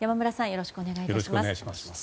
よろしくお願いします。